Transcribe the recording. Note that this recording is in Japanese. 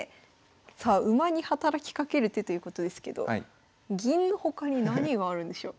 さあ馬に働きかける手ということですけど銀の他に何があるんでしょう？